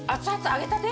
揚げたて？